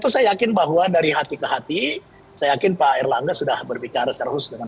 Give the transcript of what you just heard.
saya yakin bahwa dari hati ke hati saya yakin pak erlangga sudah berbicara secara khusus dengan